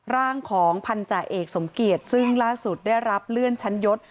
ร่างของพันธาเอกสมเกียจซึ่งล่าสุดได้รับเลื่อนชั้นยศ